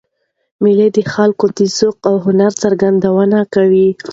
مېلې د خلکو د ذوق او هنر څرګندونه کوي.